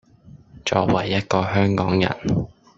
作為一個香港人